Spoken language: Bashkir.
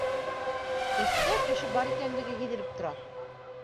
Эстә кеше бар икәнлеге һиҙелеп тора